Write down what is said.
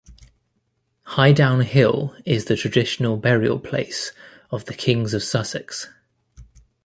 Highdown Hill is the traditional burial-place of the kings of Sussex.